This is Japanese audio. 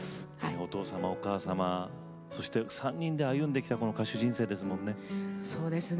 お父様お母様そして３人で歩んできたこの歌手人生ですもんね。